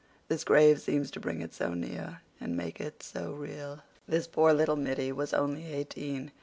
This grave seems to bring it so near and make it so real. This poor little middy was only eighteen.